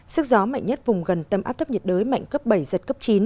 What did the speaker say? sức gió mạnh nhất vùng gần tâm áp thấp nhiệt đới mạnh cấp bảy giật cấp chín